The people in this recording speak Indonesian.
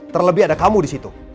terlebih ada kamu di situ